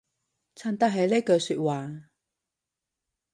襯得起呢句說話